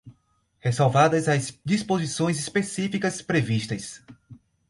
ressalvadas as disposições específicas previstas